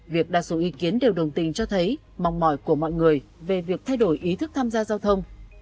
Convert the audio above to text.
việc đa số ý kiến đều đồng tình cho thấy mong mỏi của mọi người về việc thay đổi ý thức tham gia giao thông